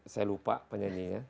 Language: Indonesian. saya lupa penyanyinya